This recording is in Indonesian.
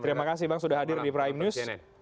terima kasih bang sudah hadir di prime news